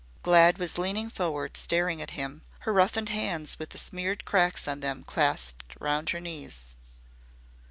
Glad was leaning forward staring at him, her roughened hands with the smeared cracks on them clasped round her knees.